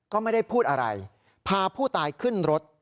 ก็ไม่ได้พูดอะไรพาผู้ตายขึ้นรถ